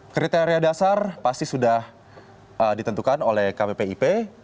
kriteria dasar pasti sudah ditentukan oleh kppip